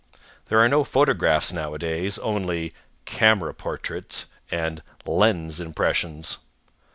There are no photographs nowadays. Only "camera portraits" and "lens impressions."